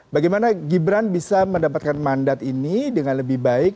bagaimana gibran bisa mendapatkan mandat ini dengan lebih baik